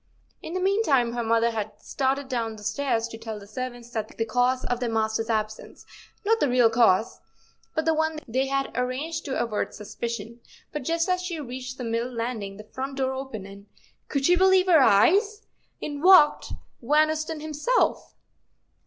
In the meantime her mother had started down stairs to tell the servants the cause of their master's absence—not the real cause, but the one they had arranged to avert suspicion—but just as she reached the middle landing, the front door opened and—could she believe her eyes!—in walked Van Ousten himself.